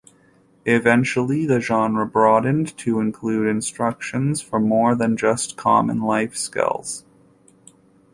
Eventually, the genre broadened to include instructions for more than just common life skills.